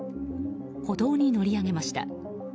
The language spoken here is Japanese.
歩道に乗り上げました。